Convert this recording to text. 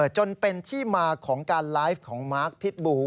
จนเป็นที่มาของการไลฟ์ของมาร์คพิษบู